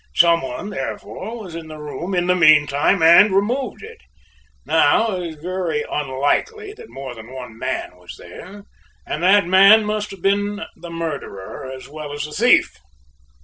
Some one, therefore, was in the room in the meanwhile and removed it. Now, it is very unlikely that more than one man was there, and that man must have been the murderer as well as the thief."